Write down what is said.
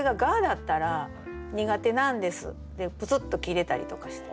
だったら「苦手なんです」でプツッと切れたりとかして。